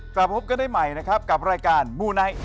จะพบกันได้ใหม่นะครับกับรายการมูไนท์